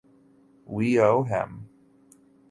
We owe him.